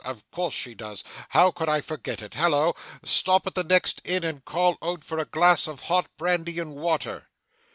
Of course she does. How could I forget it? Hallo! Stop at the next inn, and call out for a glass of hot brandy and water.